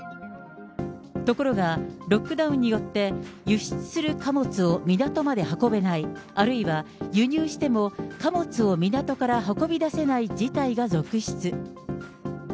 ところが、ロックダウンによって輸出する貨物を港まで運べない、あるいは輸入しても貨物を港から運び出せない事態が続出。